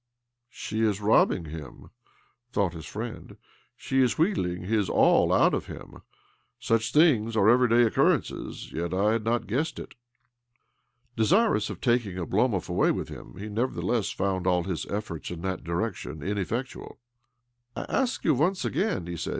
" She is robbing him," thought his friend. " She is wheedling his all out of him. Such things are everyday occurrences, yet I had not guessed it." Desirous of taking Oblomov away with OBLOMOV 247 him, he nevertheless found all his efforts in that direction ineffectual. " I ask you once again," he said.